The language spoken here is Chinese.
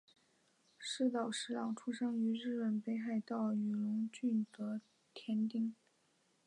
寺岛实郎出生于日本北海道雨龙郡沼田町。